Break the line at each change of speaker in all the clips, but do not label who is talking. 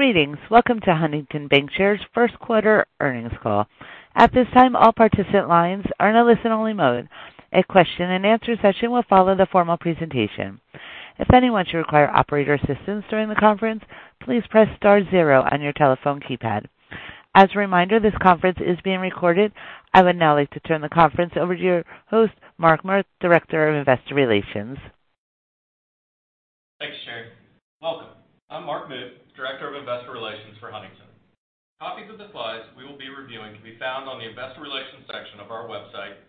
Greetings. Welcome to Huntington Bancshares' first quarter earnings call. At this time, all participant lines are in a listen-only mode. A question and answer session will follow the formal presentation. If anyone should require operator assistance during the conference, please press star zero on your telephone keypad. As a reminder, this conference is being recorded. I would now like to turn the conference over to your host, Mark Muth, Director of Investor Relations.
Thanks, Sherry. Welcome. I'm Mark Muth, Director of Investor Relations for Huntington. Copies of the slides we will be reviewing can be found on the investor relations section of our website,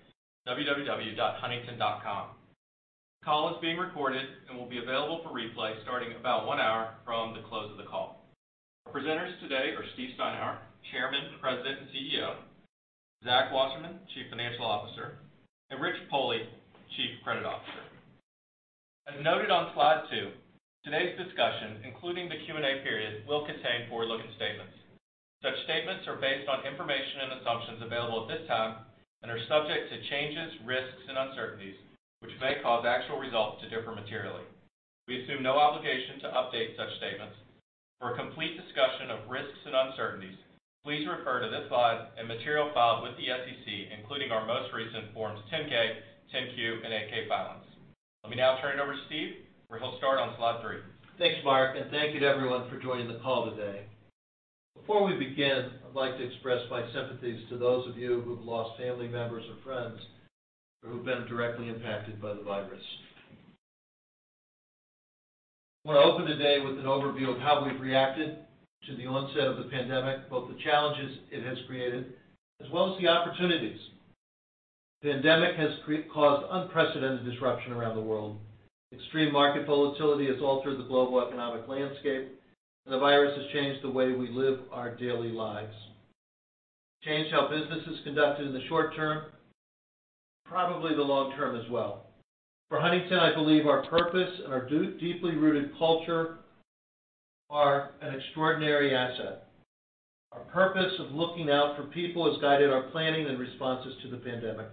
www.huntington.com. The call is being recorded and will be available for replay starting about one hour from the close of the call. Our presenters today are Stephen D. Steinour, Chairman, President, and CEO, Zachary J. Wasserman, Chief Financial Officer, and Richard Pohle, Chief Credit Officer. As noted on slide two, today's discussion, including the Q&A period, will contain forward-looking statements. Such statements are based on information and assumptions available at this time and are subject to changes, risks, and uncertainties, which may cause actual results to differ materially. We assume no obligation to update such statements. For a complete discussion of risks and uncertainties, please refer to this slide and material filed with the SEC, including our most recent Forms 10-K, 10-Q, and 8-K filings. Let me now turn it over to Steve, where he'll start on slide three.
Thanks, Mark, and thank you to everyone for joining the call today. Before we begin, I'd like to express my sympathies to those of you who've lost family members or friends, or who've been directly impacted by the virus. I want to open today with an overview of how we've reacted to the onset of the pandemic, both the challenges it has created as well as the opportunities. The pandemic has caused unprecedented disruption around the world. Extreme market volatility has altered the global economic landscape, and the virus has changed the way we live our daily lives. Changed how business is conducted in the short term, probably the long term as well. For Huntington Bancshares, I believe our purpose and our deeply rooted culture are an extraordinary asset. Our purpose of looking out for people has guided our planning and responses to the pandemic.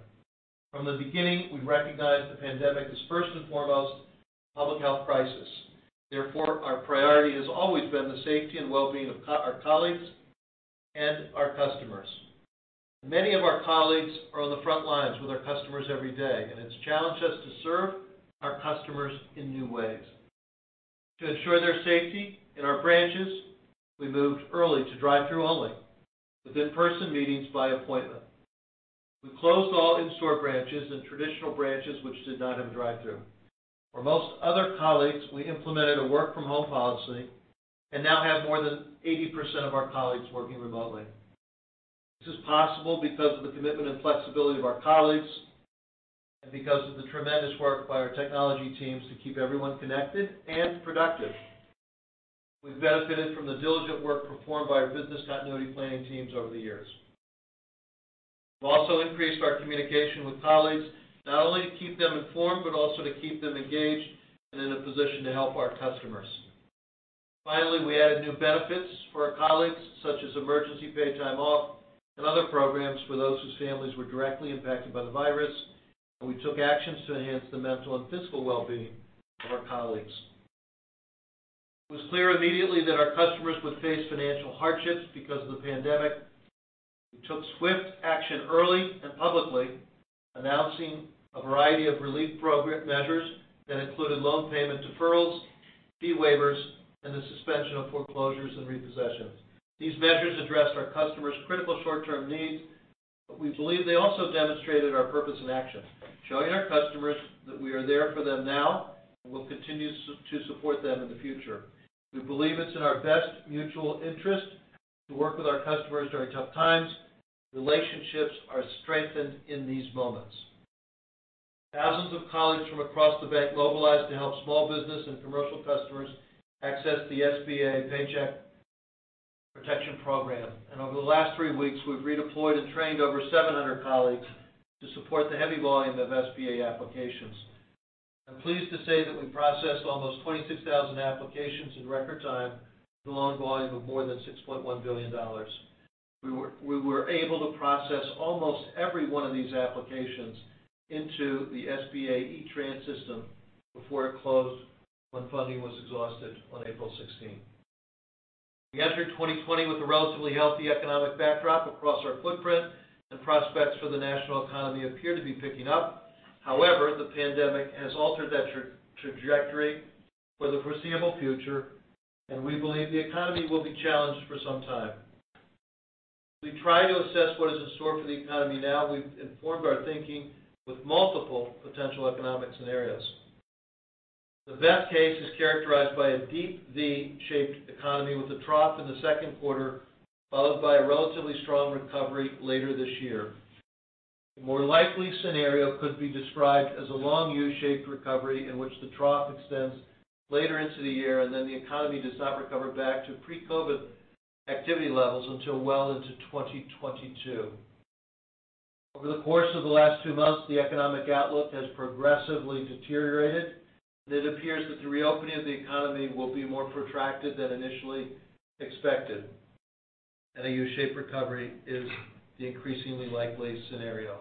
From the beginning, we recognized the pandemic as first and foremost a public health crisis. Our priority has always been the safety and wellbeing of our colleagues and our customers. Many of our colleagues are on the front lines with our customers every day, and it's challenged us to serve our customers in new ways. To ensure their safety in our branches, we moved early to drive-through only, with in-person meetings by appointment. We closed all in-store branches and traditional branches which did not have a drive-through. For most other colleagues, we implemented a work from home policy and now have more than 80% of our colleagues working remotely. This is possible because of the commitment and flexibility of our colleagues and because of the tremendous work by our technology teams to keep everyone connected and productive. We've benefited from the diligent work performed by our business continuity planning teams over the years. We've also increased our communication with colleagues, not only to keep them informed, but also to keep them engaged and in a position to help our customers. Finally, we added new benefits for our colleagues, such as emergency paid time off and other programs for those whose families were directly impacted by the virus, and we took actions to enhance the mental and physical wellbeing of our colleagues. It was clear immediately that our customers would face financial hardships because of the pandemic. We took swift action early and publicly, announcing a variety of relief program measures that included loan payment deferrals, fee waivers, and the suspension of foreclosures and repossessions. These measures addressed our customers' critical short-term needs, but we believe they also demonstrated our purpose in action, showing our customers that we are there for them now and will continue to support them in the future. We believe it's in our best mutual interest to work with our customers during tough times. Relationships are strengthened in these moments. Thousands of colleagues from across the bank mobilized to help small business and commercial customers access the SBA Paycheck Protection Program. Over the last three weeks, we've redeployed and trained over 700 colleagues to support the heavy volume of SBA applications. I'm pleased to say that we processed almost 26,000 applications in record time with a loan volume of more than $6.1 billion. We were able to process almost every one of these applications into the SBA E-Tran system before it closed when funding was exhausted on April 16th. We entered 2020 with a relatively healthy economic backdrop across our footprint, and prospects for the national economy appear to be picking up. However, the pandemic has altered that trajectory for the foreseeable future, and we believe the economy will be challenged for some time. As we try to assess what is in store for the economy now, we've informed our thinking with multiple potential economic scenarios. The best case is characterized by a deep V-shaped economy with a trough in the second quarter, followed by a relatively strong recovery later this year. A more likely scenario could be described as a long U-shaped recovery in which the trough extends later into the year and then the economy does not recover back to pre-COVID activity levels until well into 2022. Over the course of the last two months, the economic outlook has progressively deteriorated, and it appears that the reopening of the economy will be more protracted than initially expected. A U-shaped recovery is the increasingly likely scenario.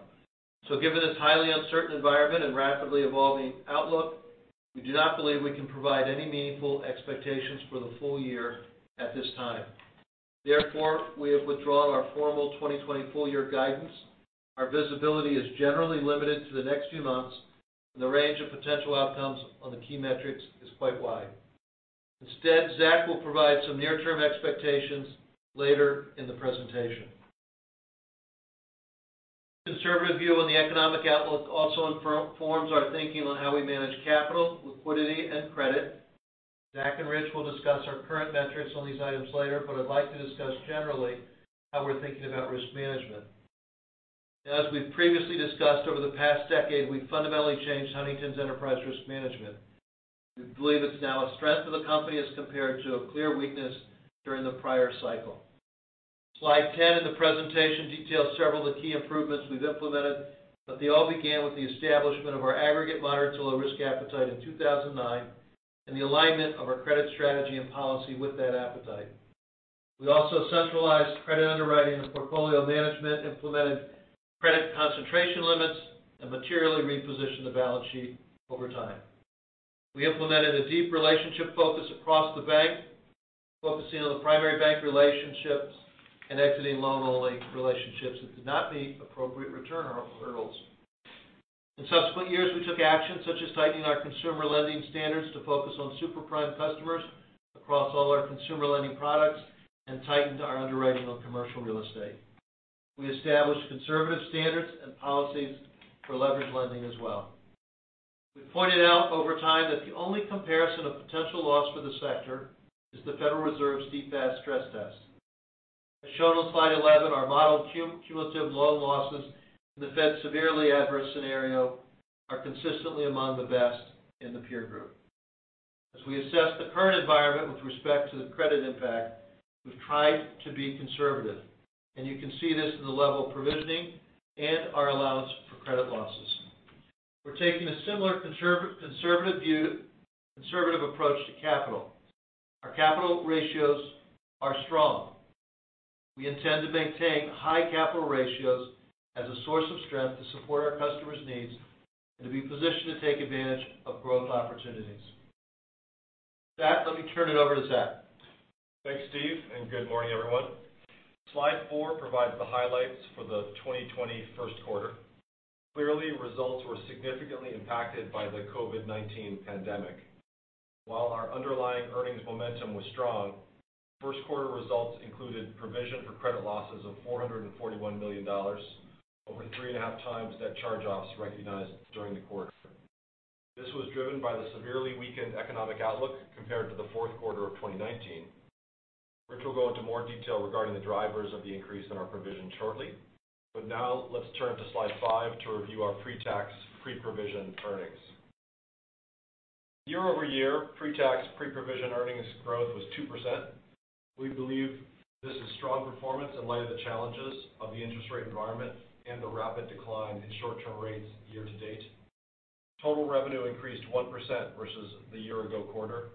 Given this highly uncertain environment and rapidly evolving outlook, we do not believe we can provide any meaningful expectations for the full year at this time. Therefore, we have withdrawn our formal 2020 full year guidance. Our visibility is generally limited to the next few months, and the range of potential outcomes on the key metrics is quite wide. Instead, Zach will provide some near-term expectations later in the presentation. Conservative view on the economic outlook also informs our thinking on how we manage capital, liquidity, and credit. Zach and Rich will discuss our current metrics on these items later, but I'd like to discuss generally how we're thinking about risk management. As we've previously discussed, over the past decade, we've fundamentally changed Huntington's enterprise risk management. We believe it's now a strength of the company as compared to a clear weakness during the prior cycle. Slide 10 in the presentation details several of the key improvements we've implemented, but they all began with the establishment of our aggregate moderate to low risk appetite in 2009 and the alignment of our credit strategy and policy with that appetite. We also centralized credit underwriting and portfolio management, implemented credit concentration limits, and materially repositioned the balance sheet over time. We implemented a deep relationship focus across the bank, focusing on the primary bank relationships and exiting loan-only relationships that did not meet appropriate return hurdles. In subsequent years, we took actions such as tightening our consumer lending standards to focus on super prime customers across all our consumer lending products and tightened our underwriting on commercial real estate. We established conservative standards and policies for leverage lending as well. We've pointed out over time that the only comparison of potential loss for the sector is the Federal Reserve's CCAR stress test. As shown on slide 11, our modeled cumulative loan losses in the Fed's severely adverse scenario are consistently among the best in the peer group. As we assess the current environment with respect to the credit impact, we've tried to be conservative, and you can see this in the level of provisioning and our allowance for credit losses. We're taking a similar conservative approach to capital. Our capital ratios are strong. We intend to maintain high capital ratios as a source of strength to support our customers' needs and to be positioned to take advantage of growth opportunities. With that, let me turn it over to Zach.
Thanks, Steve. Good morning, everyone. Slide four provides the highlights for the 2020 first quarter. Clearly, results were significantly impacted by the COVID-19 pandemic. While our underlying earnings momentum was strong, first quarter results included provision for credit losses of $441 million, over three and a half times net charge-offs recognized during the quarter. This was driven by the severely weakened economic outlook compared to the fourth quarter of 2019. Rich will go into more detail regarding the drivers of the increase in our provision shortly. Now let's turn to slide five to review our pre-tax, pre-provision earnings. Year-over-year, pre-tax, pre-provision earnings growth was 2%. We believe this is strong performance in light of the challenges of the interest rate environment and the rapid decline in short-term rates year to date. Total revenue increased 1% versus the year ago quarter,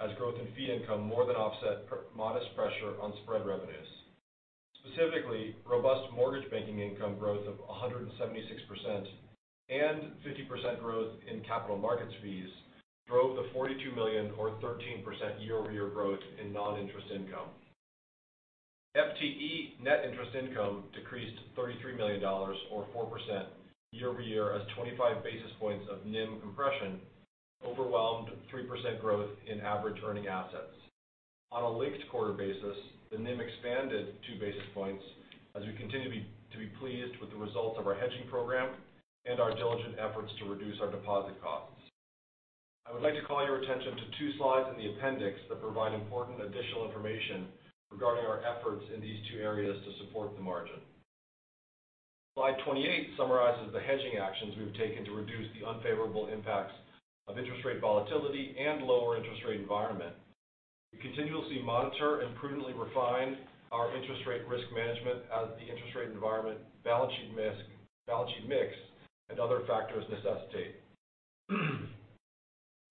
as growth in fee income more than offset modest pressure on spread revenues. Specifically, robust mortgage banking income growth of 176% and 50% growth in capital markets fees drove the $42 million or 13% year-over-year growth in non-interest income. FTE net interest income decreased $33 million or 4% year-over-year as 25 basis points of NIM compression overwhelmed 3% growth in average earning assets. On a linked quarter basis, the NIM expanded two basis points as we continue to be pleased with the results of our hedging program and our diligent efforts to reduce our deposit costs. I would like to call your attention to two slides in the appendix that provide important additional information regarding our efforts in these two areas to support the margin. Slide 28 summarizes the hedging actions we've taken to reduce the unfavorable impacts of interest rate volatility and lower interest rate environment. We continuously monitor and prudently refine our interest rate risk management as the interest rate environment, balance sheet mix, and other factors necessitate.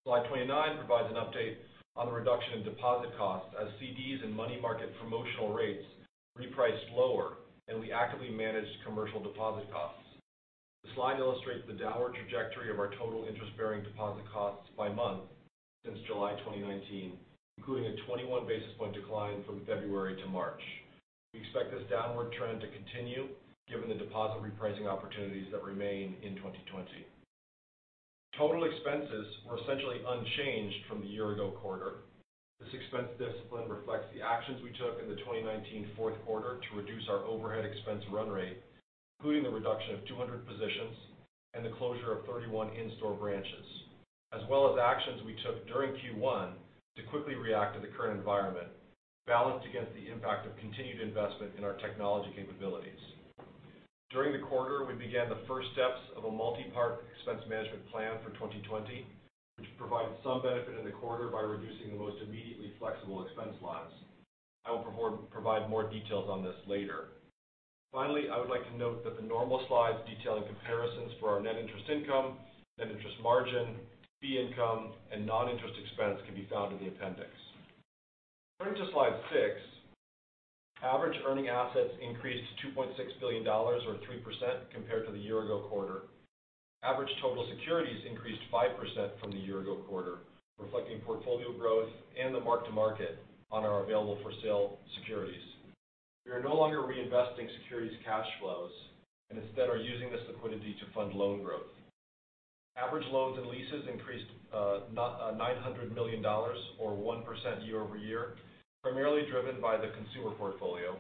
Slide 29 provides an update on the reduction in deposit costs as CDs and money market promotional rates repriced lower, and we actively managed commercial deposit costs. The slide illustrates the downward trajectory of our total interest-bearing deposit costs by month since July 2019, including a 21 basis point decline from February to March. We expect this downward trend to continue given the deposit repricing opportunities that remain in 2020. Total expenses were essentially unchanged from the year ago quarter. This expense discipline reflects the actions we took in the 2019 fourth quarter to reduce our overhead expense run rate, including the reduction of 200 positions and the closure of 31 in-store branches, as well as actions we took during Q1 to quickly react to the current environment, balanced against the impact of continued investment in our technology capabilities. During the quarter, we began the first steps of a multipart expense management plan for 2020, which provided some benefit in the quarter by reducing the most immediately flexible expense lines. I will provide more details on this later. I would like to note that the normal slides detailing comparisons for our net interest income, net interest margin, fee income, and non-interest expense can be found in the appendix. Turning to slide six, average earning assets increased to $2.6 billion, or 3%, compared to the year-ago quarter. Average total securities increased 5% from the year-ago quarter, reflecting portfolio growth and the mark-to-market on our available-for-sale securities. We are no longer reinvesting securities cash flows and instead are using this liquidity to fund loan growth. Average loans and leases increased $900 million, or 1% year-over-year, primarily driven by the consumer portfolio.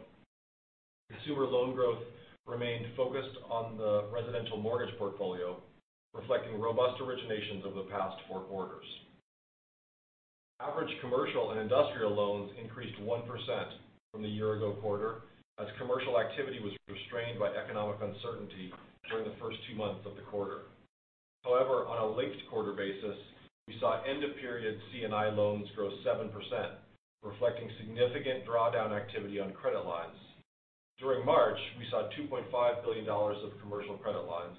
Consumer loan growth remained focused on the residential mortgage portfolio, reflecting robust originations over the past four quarters. Average commercial and industrial loans increased 1% from the year-ago quarter, as commercial activity was restrained by economic uncertainty during the first two months of the quarter. On a linked-quarter basis, we saw end-of-period C&I loans grow 7%, reflecting significant drawdown activity on credit lines. During March, we saw $2.5 billion of commercial credit lines.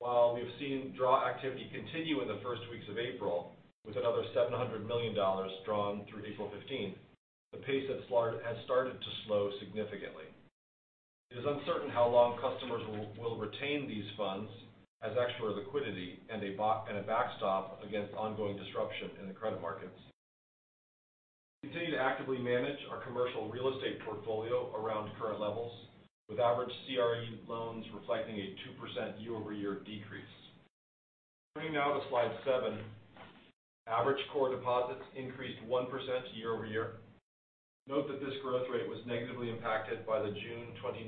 While we have seen draw activity continue in the first weeks of April, with another $700 million drawn through April 15th, the pace has started to slow significantly. It is uncertain how long customers will retain these funds as extra liquidity and a backstop against ongoing disruption in the credit markets. We continue to actively manage our commercial real estate portfolio around current levels, with average CRE loans reflecting a 2% year-over-year decrease. Turning now to slide seven, average core deposits increased 1% year-over-year. Note that this growth rate was negatively impacted by the June 2019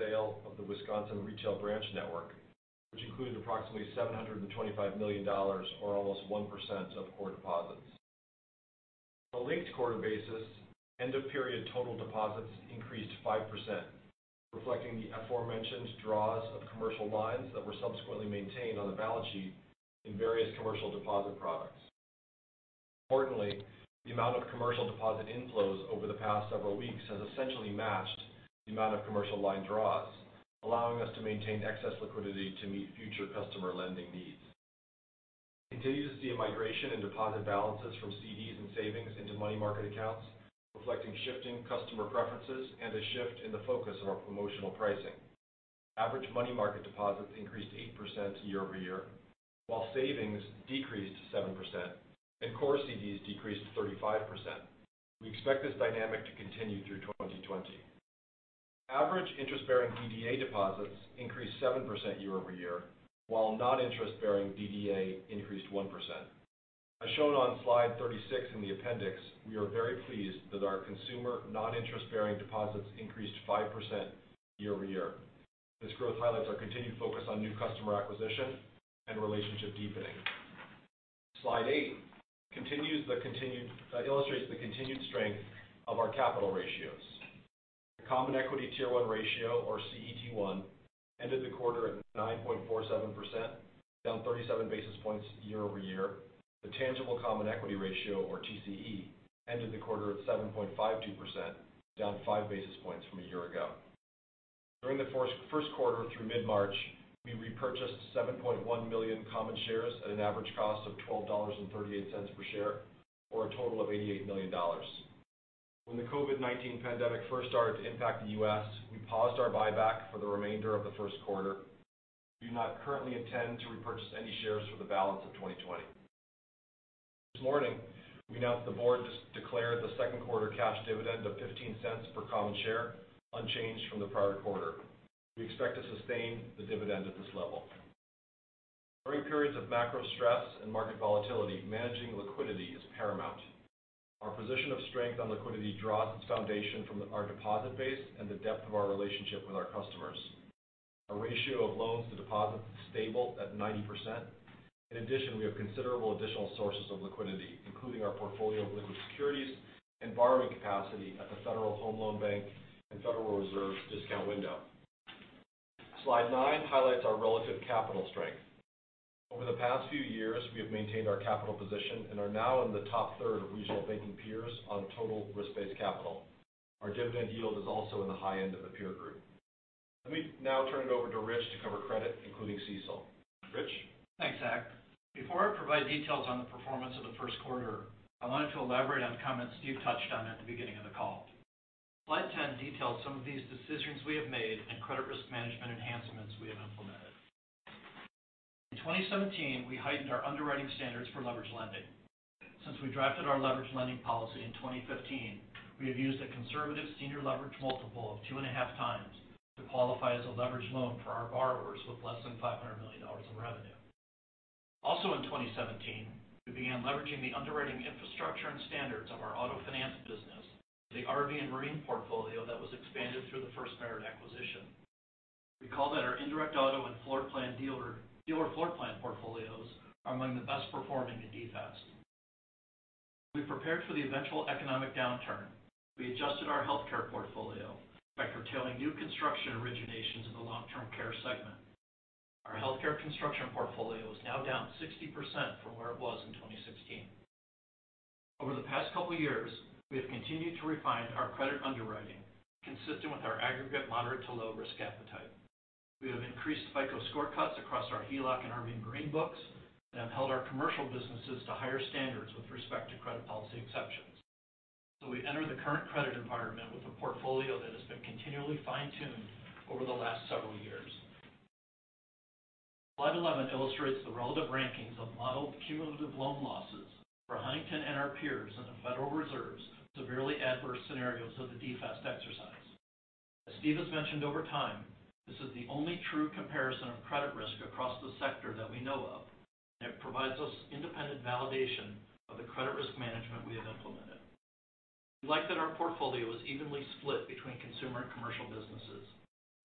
sale of the Wisconsin retail branch network, which included approximately $725 million, or almost 1%, of core deposits. On a linked-quarter basis, end-of-period total deposits increased 5%, reflecting the aforementioned draws of commercial lines that were subsequently maintained on the balance sheet in various commercial deposit products. Importantly, the amount of commercial deposit inflows over the past several weeks has essentially matched the amount of commercial line draws, allowing us to maintain excess liquidity to meet future customer lending needs. We continue to see a migration in deposit balances from CDs and savings into money market accounts, reflecting shifting customer preferences and a shift in the focus of our promotional pricing. Average money market deposits increased 8% year-over-year, while savings decreased 7% and core CDs decreased 35%. We expect this dynamic to continue through 2020. Average interest-bearing DDA deposits increased 7% year-over-year, while non-interest-bearing DDA increased 1%. As shown on slide 36 in the appendix, we are very pleased that our consumer non-interest-bearing deposits increased 5% year-over-year. This growth highlights our continued focus on new customer acquisition and relationship deepening. Slide eight illustrates the continued strength of our capital ratios. The Common Equity Tier 1 ratio, or CET1, ended the quarter at 9.47%, down 37 basis points year-over-year. The tangible common equity ratio, or TCE, ended the quarter at 7.52%, down five basis points from a year ago. During the first quarter through mid-March, we repurchased 7.1 million common shares at an average cost of $12.38 per share, or a total of $88 million. When the COVID-19 pandemic first started to impact the U.S., we paused our buyback for the remainder of the first quarter. We do not currently intend to repurchase any shares for the balance of 2020. This morning, we announced the board declared the second quarter cash dividend of $0.15 per common share, unchanged from the prior quarter. We expect to sustain the dividend at this level. During periods of macro stress and market volatility, managing liquidity is paramount. Our position of strength on liquidity draws its foundation from our deposit base and the depth of our relationship with our customers. Our ratio of loans to deposits is stable at 90%. In addition, we have considerable additional sources of liquidity, including our portfolio of liquid securities and borrowing capacity at the Federal Home Loan Bank and Federal Reserve's discount window. Slide nine highlights our relative capital strength. Over the past few years, we have maintained our capital position and are now in the top third of regional banking peers on total risk-based capital. Our dividend yield is also in the high end of the peer group. Let me now turn it over to Rich to cover credit, including CECL. Rich?
Thanks, Zach. Before I provide details on the performance of the first quarter, I wanted to elaborate on comments Steve touched on at the beginning of the call. Slide 10 details some of these decisions we have made and credit risk management enhancements we have implemented. In 2017, we heightened our underwriting standards for leverage lending. Since we drafted our leverage lending policy in 2015, we have used a conservative senior leverage multiple of 2.5x to qualify as a leverage loan for our borrowers with less than $500 million in revenue. Also in 2017, we began leveraging the underwriting infrastructure and standards of our auto finance business to the RV and marine portfolio that was expanded through the FirstMerit Corporation acquisition. Recall that our indirect auto and dealer floor plan portfolios are among the best performing in DFAST. As we prepared for the eventual economic downturn, we adjusted our healthcare portfolio by curtailing new construction long-term care segment. Our healthcare construction portfolio is now down 60% from where it was in 2016. Over the past couple years, we have continued to refine our credit underwriting consistent with our aggregate moderate to low risk appetite. We have increased FICO score cuts across our HELOC and RV/Marine books and have held our commercial businesses to higher standards with respect to credit policy exceptions. We enter the current credit environment with a portfolio that has been continually fine-tuned over the last several years. Slide 11 illustrates the relative rankings of modeled cumulative loan losses for Huntington Bancshares and our peers in the Federal Reserve's severely adverse scenarios of the DFAST exercise. As Steve has mentioned over time, this is the only true comparison of credit risk across the sector that we know of, and it provides us independent validation of the credit risk management we have implemented. We like that our portfolio is evenly split between consumer and commercial businesses.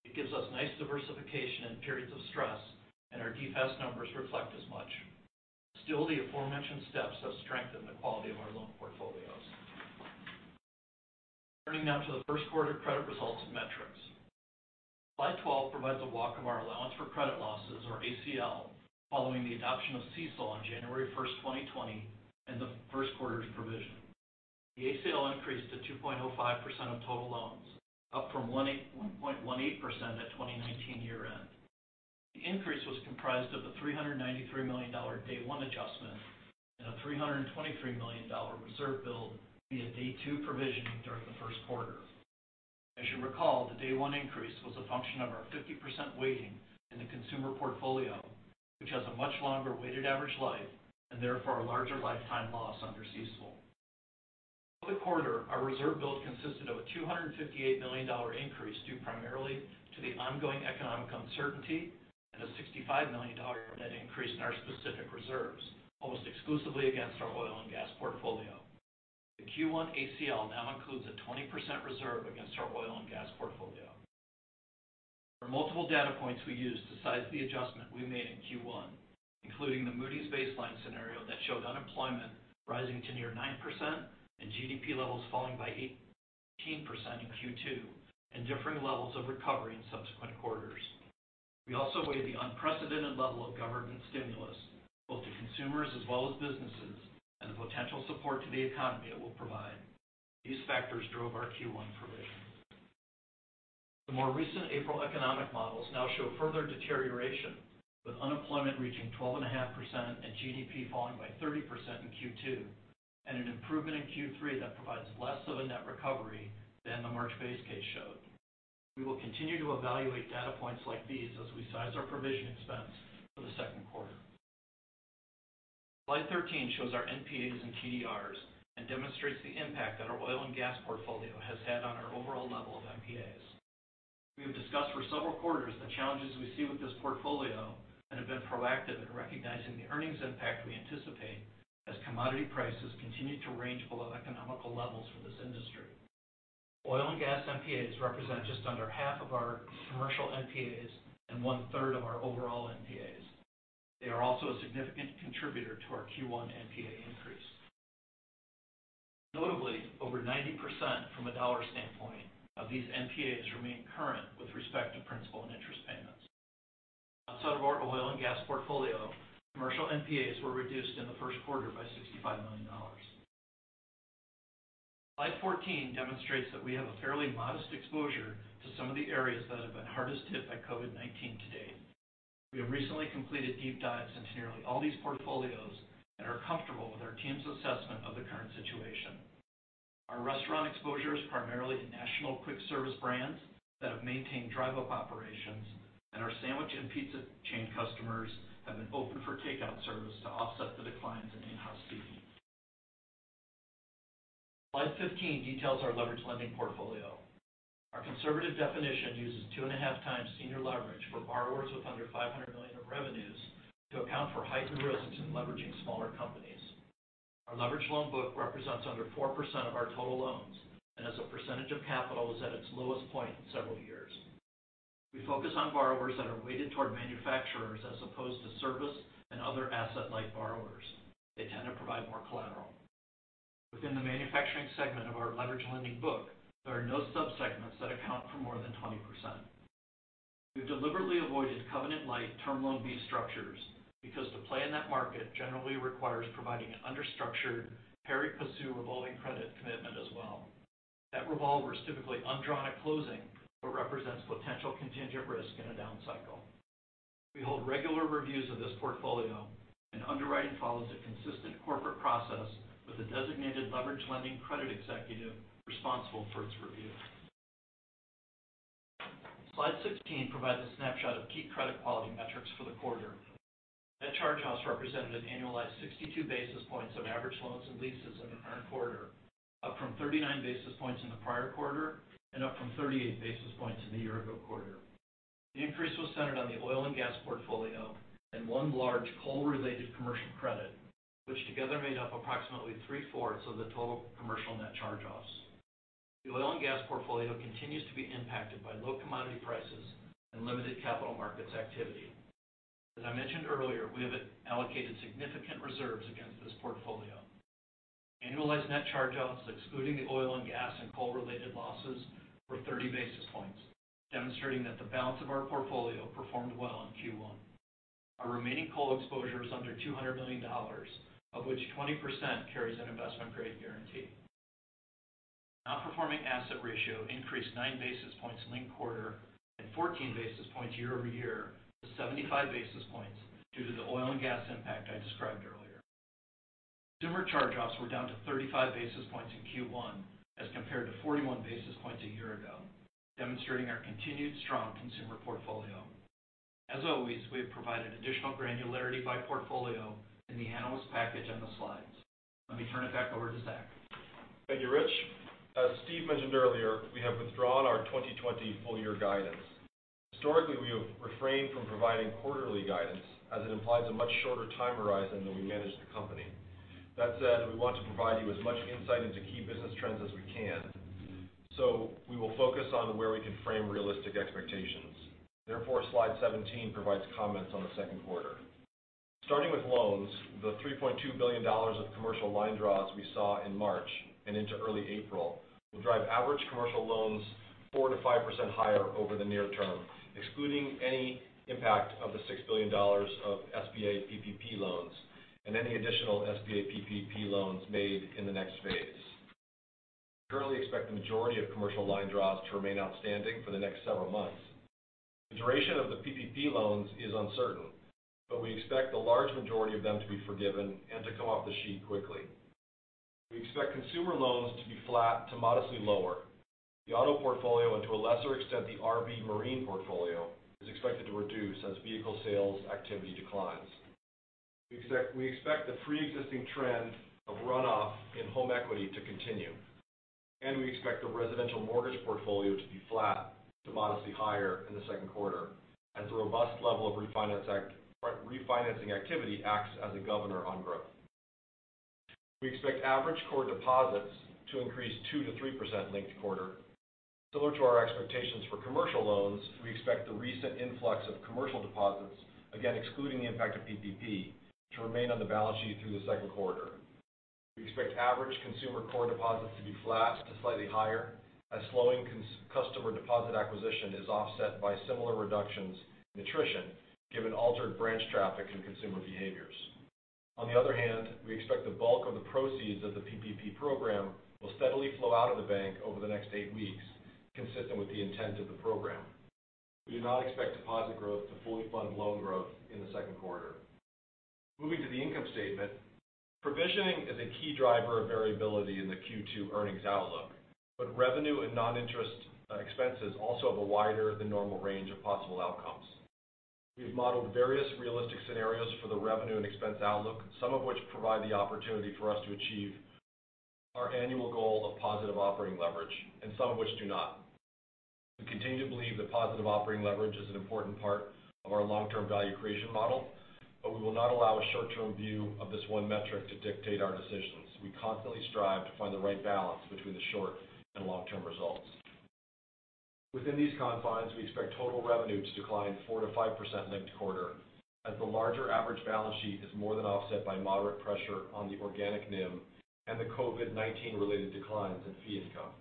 It gives us nice diversification in periods of stress, and our DFAST numbers reflect as much. Still, the aforementioned steps have strengthened the quality of our loan portfolios. Turning now to the first quarter credit results and metrics. Slide 12 provides a walk of our allowance for credit losses, or ACL, following the adoption of CECL on January 1st, 2020 and the first quarter's provision. The ACL increased to 2.05% of total loans, up from 1.18% at 2019 year-end. The increase was comprised of a $393 million day one adjustment and a $323 million reserve build via day two provisioning during the first quarter. As you recall, the day one increase was a function of our 50% weighting in the consumer portfolio, which has a much longer weighted average life and therefore a larger lifetime loss under CECL. For the quarter, our reserve build consisted of a $258 million increase due primarily to the ongoing economic uncertainty and a $65 million net increase in our specific reserves, almost exclusively against our oil and gas portfolio. The Q1 ACL now includes a 20% reserve against our oil and gas portfolio. There are multiple data points we use to size the adjustment we made in Q1, including the Moody's baseline scenario that showed unemployment rising to near 9% and GDP levels falling by 18% in Q2, and differing levels of recovery in subsequent quarters. We also weighed the unprecedented level of government stimulus, both to consumers as well as businesses, and the potential support to the economy it will provide. These factors drove our Q1 provisions. The more recent April economic models now show further deterioration, with unemployment reaching 12.5% and GDP falling by 30% in Q2, and an improvement in Q3 that provides less of a net recovery than the March base case showed. We will continue to evaluate data points like these as we size our provision expense for the second quarter. Slide 13 shows our NPAs and TDRs and demonstrates the impact that our oil and gas portfolio has had on our overall level of NPAs. We have discussed for several quarters the challenges we see with this portfolio and have been proactive in recognizing the earnings impact we anticipate as commodity prices continue to range below economical levels for this industry. Oil and gas NPAs represent just under half of our commercial NPAs and one-third of our overall NPAs. They are also a significant contributor to our Q1 NPA increase. Notably, over 90%, from a dollar standpoint, of these NPAs remain current with respect to principal and interest payments. Outside of our oil and gas portfolio, commercial NPAs were reduced in the first quarter by $65 million. Slide 14 demonstrates that we have a fairly modest exposure to some of the areas that have been hardest hit by COVID-19 to date. We have recently completed deep dives into nearly all these portfolios and are comfortable with our team's assessment of the current situation. Our restaurant exposure is primarily to national quick-service brands that have maintained drive-up operations, and our sandwich and pizza chain customers have been open for takeout service to offset the declines in in-house seating. Slide 15 details our leverage lending portfolio. Our conservative definition uses two and a half times senior leverage for borrowers with under $500 million of revenues to account for heightened risks in leveraging smaller companies. Our leverage loan book represents under 4% of our total loans and as a percentage of capital is at its lowest point in several years. We focus on borrowers that are weighted toward manufacturers as opposed to service and other asset-light borrowers. They tend to provide more collateral. Within the manufacturing segment of our leverage lending book, there are no sub-segments that account for more than 20%. We've deliberately avoided covenant-lite Term Loan B structures because to play in that market generally requires providing an under-structured pari passu revolving credit commitment as well. That revolve was typically undrawn at closing but represents potential contingent risk in a down cycle. We hold regular reviews of this portfolio, and underwriting follows a consistent corporate process with a designated leverage lending credit executive responsible for its review. Slide 16 provides a snapshot of key credit quality metrics for the quarter. Net charge-offs represented an annualized 62 basis points of average loans and leases in the current quarter, up from 39 basis points in the prior quarter and up from 38 basis points in the year-ago quarter. The increase was centered on the oil and gas portfolio and one large coal-related commercial credit, which together made up approximately three-fourths of the total commercial net charge-offs. The oil and gas portfolio continues to be impacted by low commodity prices and limited capital markets activity. As I mentioned earlier, we have allocated significant reserves against this portfolio. Annualized net charge-offs excluding the oil and gas and coal related losses were 30 basis points, demonstrating that the balance of our portfolio performed well in Q1. Our remaining coal exposure is under $200 million, of which 20% carries an investment grade guarantee. Non-performing asset ratio increased nine basis points linked quarter and 14 basis points year-over-year to 75 basis points due to the oil and gas impact I described earlier. Consumer charge-offs were down to 35 basis points in Q1 as compared to 41 basis points a year ago, demonstrating our continued strong consumer portfolio. As always, we have provided additional granularity by portfolio in the analyst package on the slides. Let me turn it back over to Zach.
Thank you, Rich. As Steve mentioned earlier, we have withdrawn our 2020 full year guidance. Historically, we have refrained from providing quarterly guidance as it implies a much shorter time horizon than we manage the company. That said, we want to provide you as much insight into key business trends as we can. We will focus on where we can frame realistic expectations. Therefore, slide 17 provides comments on the second quarter. Starting with loans, the $3.2 billion of commercial line draws we saw in March and into early April will drive average commercial loans 4%-5% higher over the near term, excluding any impact of the $6 billion of SBA PPP loans and any additional SBA PPP loans made in the next phase. We currently expect the majority of commercial line draws to remain outstanding for the next several months. The duration of the PPP loans is uncertain, we expect the large majority of them to be forgiven and to come off the sheet quickly. We expect consumer loans to be flat to modestly lower. The auto portfolio, and to a lesser extent, the RV/Marine portfolio, is expected to reduce as vehicle sales activity declines. We expect the preexisting trend of runoff in home equity to continue, we expect the residential mortgage portfolio to be flat to modestly higher in the second quarter as the robust level of refinancing activity acts as a governor on growth. We expect average core deposits to increase 2%-3% linked quarter. Similar to our expectations for commercial loans, we expect the recent influx of commercial deposits, again, excluding the impact of PPP, to remain on the balance sheet through the second quarter. We expect average consumer core deposits to be flat to slightly higher as slowing customer deposit acquisition is offset by similar reductions in attrition given altered branch traffic and consumer behaviors. On the other hand, we expect the bulk of the proceeds of the PPP program will steadily flow out of the bank over the next eight weeks, consistent with the intent of the program. We do not expect deposit growth to fully fund loan growth in the second quarter. Moving to the income statement. Provisioning is a key driver of variability in the Q2 earnings outlook, but revenue and non-interest expenses also have a wider than normal range of possible outcomes. We have modeled various realistic scenarios for the revenue and expense outlook, some of which provide the opportunity for us to achieve our annual goal of positive operating leverage, and some of which do not. We continue to believe that positive operating leverage is an important part of our long-term value creation model, but we will not allow a short-term view of this one metric to dictate our decisions. We constantly strive to find the right balance between the short and long-term results. Within these confines, we expect total revenue to decline 4%-5% linked quarter as the larger average balance sheet is more than offset by moderate pressure on the organic NIM and the COVID-19 related declines in fee income.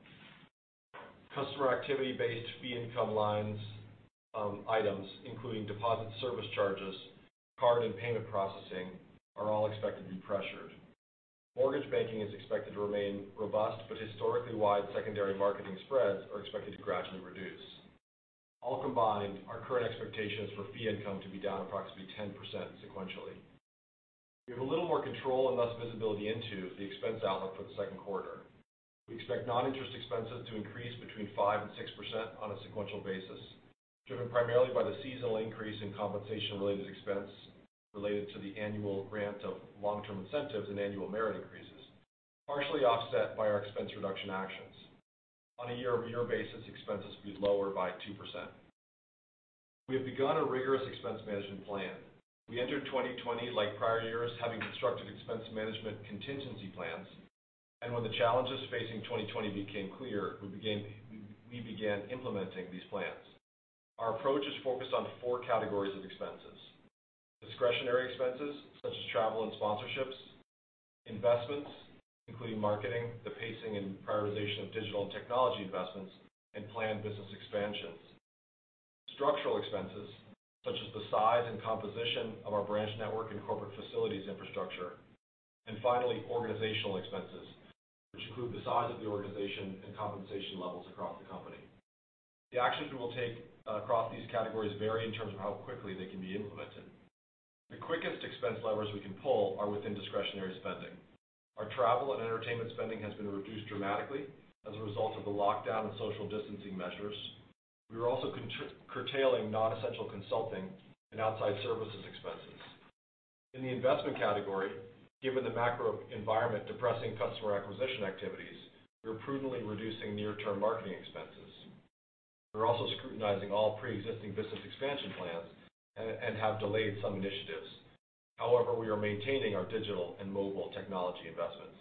Customer activity-based fee income line items including deposit service charges, card and payment processing are all expected to be pressured. Mortgage banking is expected to remain robust, but historically wide secondary marketing spreads are expected to gradually reduce. All combined, our current expectation is for fee income to be down approximately 10% sequentially. We have a little more control and thus visibility into the expense outlook for the second quarter. We expect non-interest expenses to increase between 5% and 6% on a sequential basis, driven primarily by the seasonal increase in compensation-related expense related to the annual grant of long-term incentives and annual merit increases, partially offset by our expense reduction actions. On a year-over-year basis, expenses will be lower by 2%. We have begun a rigorous expense management plan. We entered 2020 like prior years having constructed expense management contingency plans, and when the challenges facing 2020 became clear, we began implementing these plans. Our approach is focused on four categories of expenses. Discretionary expenses such as travel and sponsorships, investments, including marketing, the pacing and prioritization of digital and technology investments, and planned business expansions. Structural expenses such as the size and composition of our branch network and corporate facilities infrastructure. Finally, organizational expenses, which include the size of the organization and compensation levels across the company. The actions we will take across these categories vary in terms of how quickly they can be implemented. The quickest expense levers we can pull are within discretionary spending. Our travel and entertainment spending has been reduced dramatically as a result of the lockdown and social distancing measures. We are also curtailing non-essential consulting and outside services expenses. In the investment category, given the macro environment depressing customer acquisition activities, we are prudently reducing near-term marketing expenses. We are also scrutinizing all preexisting business expansion plans and have delayed some initiatives. However, we are maintaining our digital and mobile technology investments.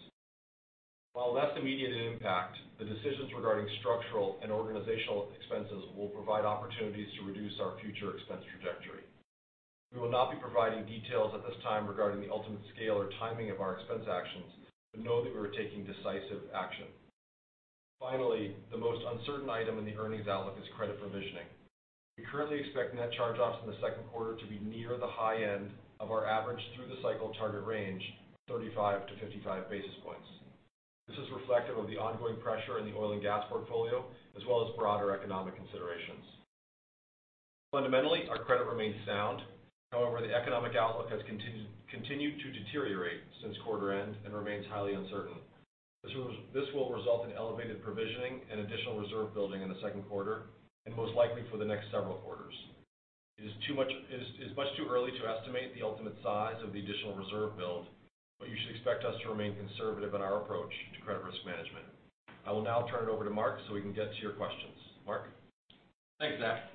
While less immediate in impact, the decisions regarding structural and organizational expenses will provide opportunities to reduce our future expense trajectory. We will not be providing details at this time regarding the ultimate scale or timing of our expense actions, but know that we are taking decisive action. Finally, the most uncertain item in the earnings outlook is credit provisioning. We currently expect net charge-offs in the second quarter to be near the high end of our average through the cycle target range, 35-55 basis points. This is reflective of the ongoing pressure in the oil and gas portfolio, as well as broader economic considerations. Fundamentally, our credit remains sound. The economic outlook has continued to deteriorate since quarter end and remains highly uncertain. This will result in elevated provisioning and additional reserve building in the second quarter, and most likely for the next several quarters. It is much too early to estimate the ultimate size of the additional reserve build, but you should expect us to remain conservative in our approach to credit risk management. I will now turn it over to Mark so we can get to your questions. Mark?
Thanks, Zach.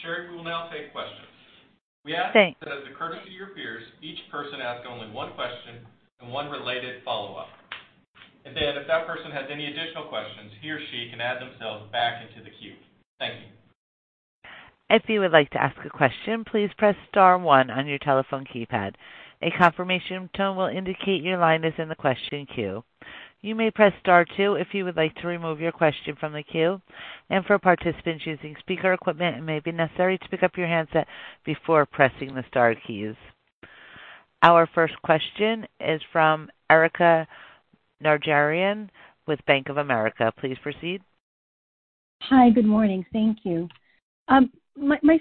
Sherry, we will now take questions.
Thanks.
We ask that as a courtesy to your peers, each person ask only one question and one related follow-up. If that person has any additional questions, he or she can add themselves back into the queue. Thank you.
If you would like to ask a question, please press star one on your telephone keypad. A confirmation tone will indicate your line is in the question queue. You may press star two if you would like to remove your question from the queue. For participants using speaker equipment, it may be necessary to pick up your handset before pressing the star keys. Our first question is from Erika Najarian with Bank of America. Please proceed.
Hi. Good morning. Thank you.
We can hear now.
Hi. My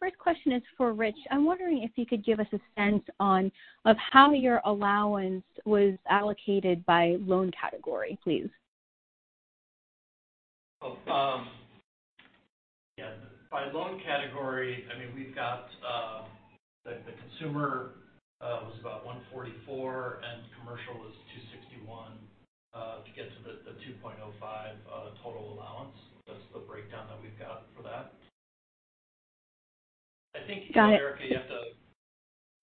first question is for Rich. I'm wondering if you could give us a sense of how your allowance was allocated by loan category, please.
Yeah. By loan category, the consumer was about $144 million, and commercial was $261 million to get to the 2.05% total allowance. That's the breakdown that we've got for that.
Got it.
Erika,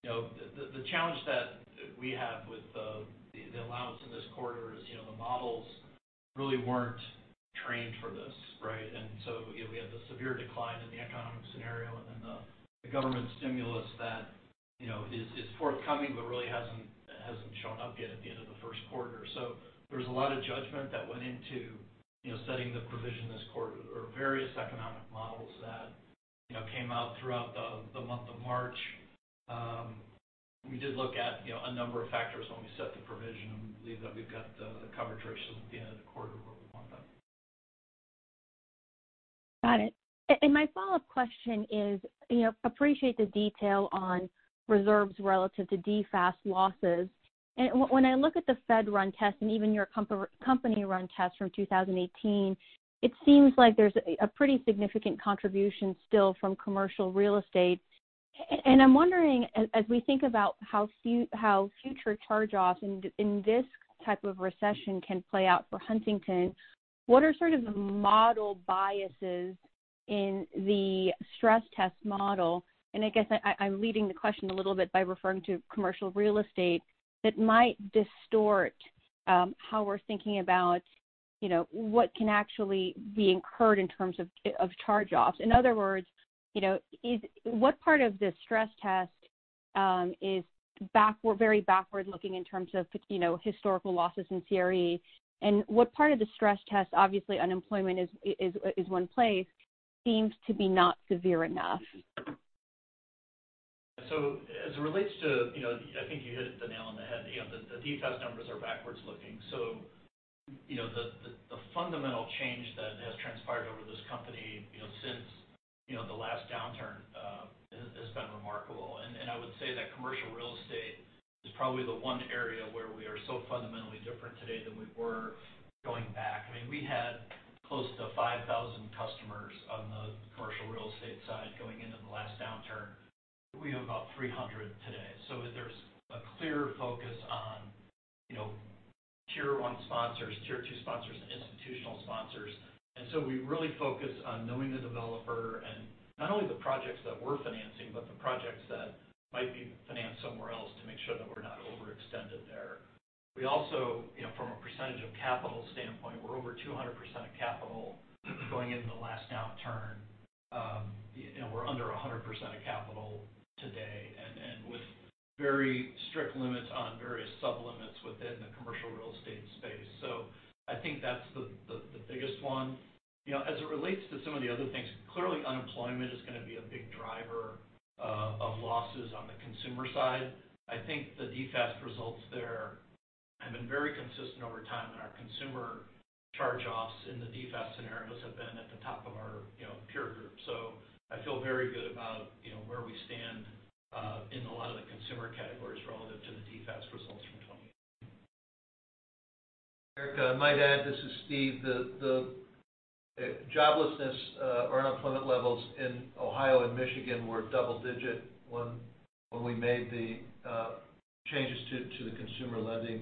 the challenge that we have with the allowance in this quarter is the models really weren't trained for this, right. We had the severe decline in the economic scenario, and then the government stimulus that is forthcoming but really hasn't shown up yet at the end of the first quarter. There's a lot of judgment that went into setting the provision this quarter or various economic models that came out throughout the month of March. We did look at a number of factors when we set the provision, and we believe that we've got the coverage ratio at the end of the quarter where we want that.
Got it. My follow-up question is, appreciate the detail on reserves relative to DFAST losses. When I look at the Fed run test and even your company run test from 2018, it seems like there's a pretty significant contribution still from commercial real estate. I'm wondering as we think about how future charge-offs in this type of recession can play out for Huntington Bancshares, what are sort of the model biases in the stress test model? I guess I'm leading the question a little bit by referring to commercial real estate that might distort how we're thinking about what can actually be incurred in terms of charge-offs. In other words, what part of the stress test is very backward-looking in terms of historical losses in CRE, and what part of the stress test, obviously unemployment is one place, seems to be not severe enough?
As it relates to, I think you hit the nail on the head. The DFAST numbers are backwards-looking. The fundamental change that has transpired over this company since the last downturn has been remarkable. I would say that commercial real estate is probably the one area where we are so fundamentally different today than we were going back. We had close to 5,000 customers on the commercial real estate side going into the last downturn. We have about 300 today. There's a clear focus on tier 1 sponsors, tier 2 sponsors, and institutional sponsors. We really focus on knowing the developer, and not only the projects that we're financing, but the projects that might be financed somewhere else to make sure that we're not overextended there. We also, from a percentage of capital standpoint, were over 200% of capital going into the last downturn. We're under 100% of capital today, and with very strict limits on various sub-limits within the commercial real estate space. I think that's the biggest one. As it relates to some of the other things, clearly unemployment is going to be a big driver of losses on the consumer side. I think the DFAST results there have been very consistent over time, and our consumer charge-offs in the DFAST scenarios have been at the top of our peer group. I feel very good about where we stand in a lot of the consumer categories relative to the DFAST results from 2018.
Erika, I might add, this is Steve. The joblessness or unemployment levels in Ohio and Michigan were double-digit when we made the changes to the consumer lending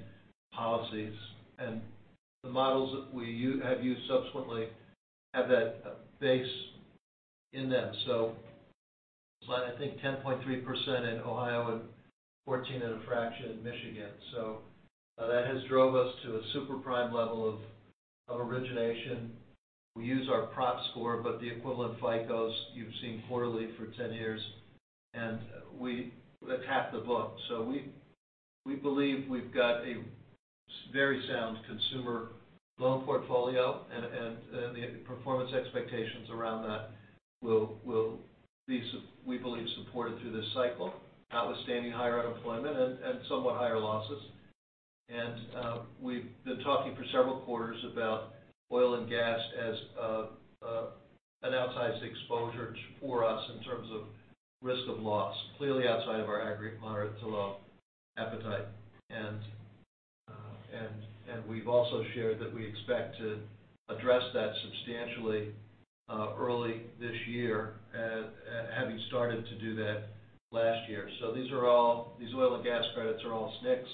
policies. The models that we have used subsequently have that base in them. It was I think 10.3% in Ohio and 14 and a fraction in Michigan. That has drove us to a super prime level of origination. We use our proprietary score, but the equivalent FICOs you've seen quarterly for 10 years, and that's half the book. We believe we've got a very sound consumer loan portfolio, and the performance expectations around that will be, we believe, supported through this cycle, notwithstanding higher unemployment and somewhat higher losses. We've been talking for several quarters about oil and gas as an outsized exposure for us in terms of risk of loss. Clearly outside of our aggregate moderate to low appetite. We've also shared that we expect to address that substantially early this year, having started to do that last year. These oil and gas credits are all SNCs.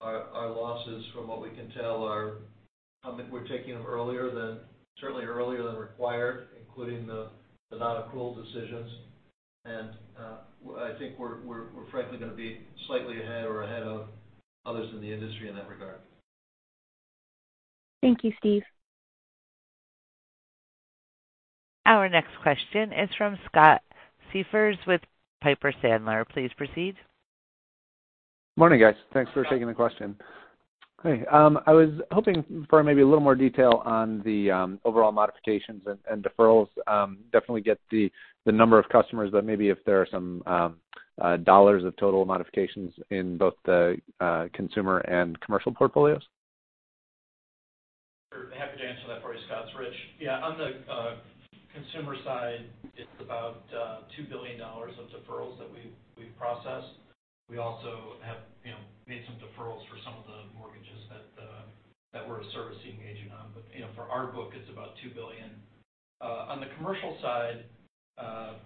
Our losses, from what we can tell, we're taking them certainly earlier than required, including the non-accrual decisions. I think we're frankly going to be slightly ahead or ahead of others in the industry in that regard.
Thank you, Steve.
Our next question is from Scott Siefers with Piper Sandler. Please proceed.
Morning, guys. Thanks for taking the question.
Hey.
I was hoping for maybe a little more detail on the overall modifications and deferrals. Definitely get the number of customers, maybe if there are some dollars of total modifications in both the consumer and commercial portfolios.
Sure. Happy to answer that for you, Scott. It's Rich. On the consumer side, it's about $2 billion of deferrals that we've processed. We also have made some deferrals for some of the mortgages that we're a servicing agent on. For our book, it's about $2 billion. On the commercial side,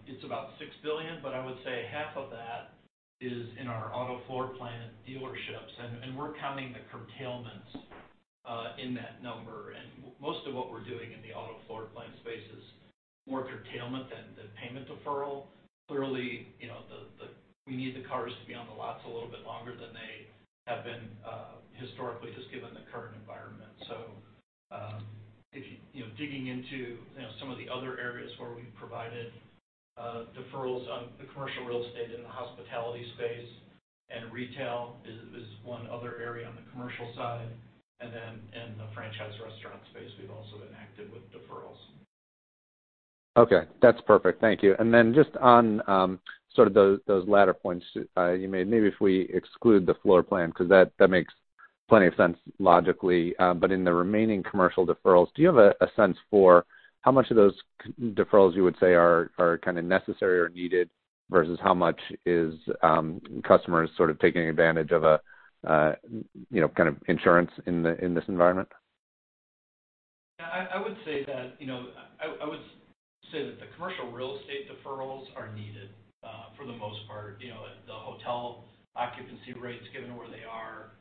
it's about $6 billion, but I would say half of that is in our auto floor plan dealerships. We're counting the curtailments in that number. Most of what we're doing in the auto floor plan space is more curtailment than payment deferral. Clearly, we need the cars to be on the lots a little bit longer than they have been historically just given the current environment. Digging into some of the other areas where we've provided deferrals on the commercial real estate in the hospitality space and retail is one other area on the commercial side. In the franchise restaurant space, we've also been active with deferrals.
Okay. That's perfect. Thank you. Then just on those latter points you made, maybe if we exclude the floor plan, because that makes plenty of sense logically. In the remaining commercial deferrals, do you have a sense for how much of those deferrals you would say are kind of necessary or needed versus how much is customers sort of taking advantage of a kind of insurance in this environment?
Yeah. I would say that the commercial real estate deferrals are needed for the most part. The hotel occupancy rates, given where they are.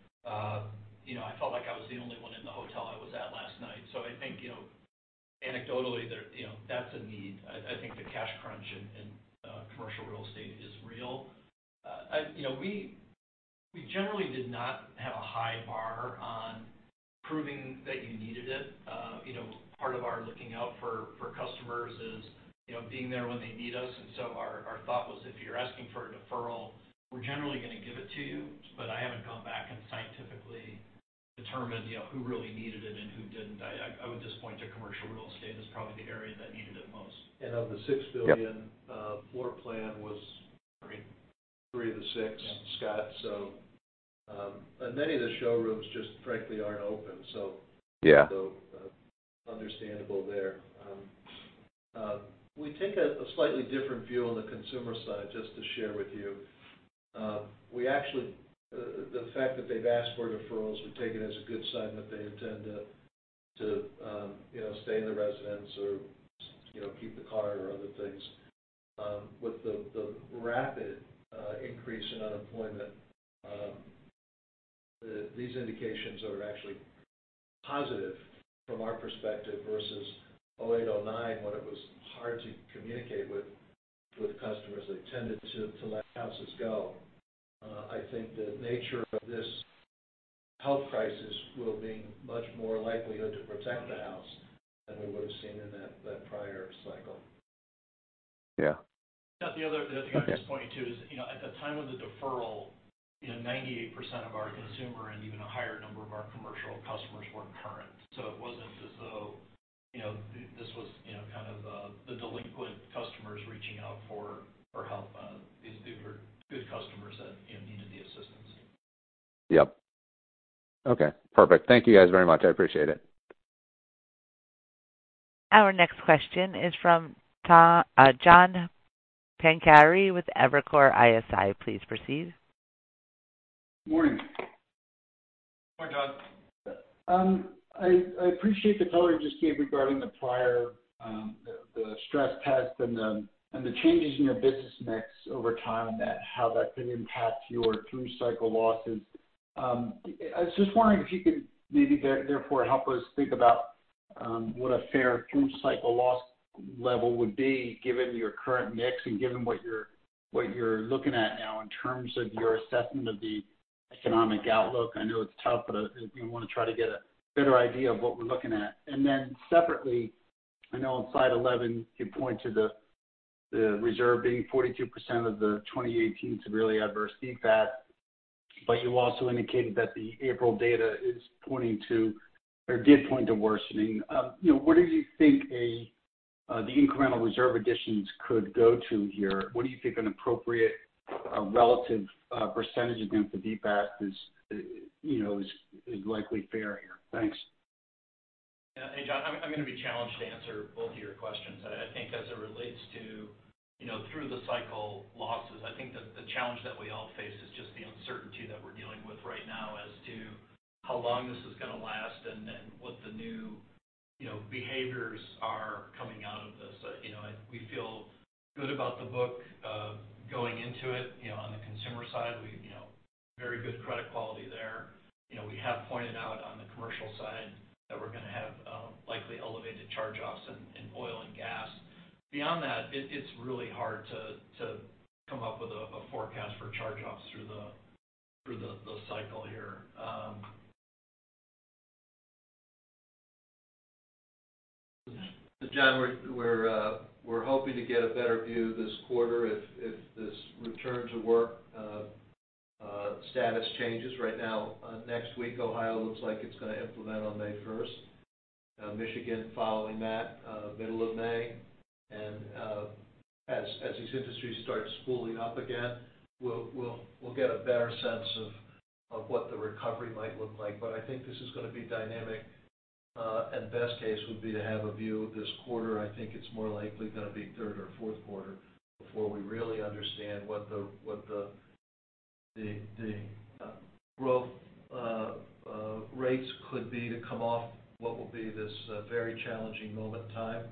I felt like I was the only one in the hotel I was at last night. I think anecdotally that's a need. I think the cash crunch in commercial real estate is real. We generally did not have a high bar on proving that you needed it. Part of our looking out for customers is being there when they need us. Our thought was, if you're asking for a deferral, we're generally going to give it to you. I haven't gone back and scientifically determined who really needed it and who didn't. I would just point to commercial real estate as probably the area that needed it most.
Of the $6 billion
Yep
floor plan was three of the six-
Yeah
Scott. Many of the showrooms just frankly aren't open.
Yeah.
Understandable there. We take a slightly different view on the consumer side, just to share with you. The fact that they've asked for deferrals, we take it as a good sign that they intend to stay in the residence or keep the car or other things. With the rapid increase in unemployment, these indications are actually positive from our perspective versus 2008, 2009, when it was hard to communicate with customers. They tended to let houses go. I think the nature of this health crisis will mean much more likelihood to protect the house than we would've seen in that prior cycle.
Yeah.
Scott, the other thing I'd just point to is, at the time of the deferral, 98% of our consumer and even a higher number of our commercial customers were current. It wasn't as though this was kind of the delinquent customers reaching out for help. These people are good customers that needed the assistance.
Yep. Okay, perfect. Thank you guys very much. I appreciate it.
Our next question is from John Pancari with Evercore ISI. Please proceed.
Morning.
Morning, John.
I appreciate the color you just gave regarding the prior stress test and the changes in your business mix over time and how that could impact your through-cycle losses. I was just wondering if you could maybe therefore help us think about what a fair through-cycle loss level would be given your current mix and given what you're looking at now in terms of your assessment of the economic outlook. I know it's tough, but if you want to try to get a better idea of what we're looking at. Separately, I know on slide 11, you point to the reserve being 42% of the 2018 severely adverse DFAST, but you also indicated that the April data is pointing to, or did point to worsening. Where do you think the incremental reserve additions could go to here? What do you think an appropriate relative percentage against the DFAST is likely fair here? Thanks.
Yeah. Hey, John, I'm going to be challenged to answer both of your questions. I think as it relates to through the cycle losses, I think that the challenge that we all face is just the uncertainty that we're dealing with right now as to how long this is going to last and then what the new behaviors are coming out of this. We feel good about the book, going into it on the consumer side. Very good credit quality there. We have pointed out on the commercial side that we're going to have likely elevated charge-offs in oil and gas. Beyond that, it's really hard to come up with a forecast for charge-offs through the cycle here.
John, we're hoping to get a better view this quarter if this return to work status changes. Right now, next week, Ohio looks like it's going to implement on May 1st. Michigan following that, middle of May. As these industries start spooling up again, we'll get a better sense of what the recovery might look like. I think this is going to be dynamic. Best case would be to have a view this quarter. I think it's more likely going to be third or fourth quarter before we really understand what the growth rates could be to come off what will be this very challenging moment in time